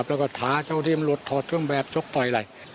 แล้วก็ท้าเจ้าทีมรวดถอดเครื่องแบบชกต่อไปเลย